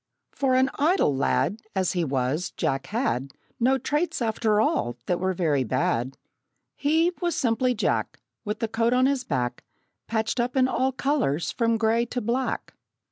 For an idle lad, As he was, Jack had No traits, after all, that were very bad. He, was simply Jack, With the coat on his back Patched up in all colors from gray to black.